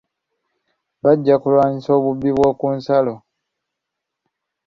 Bajja kulwanyisa obubbi bw'oku nsalo.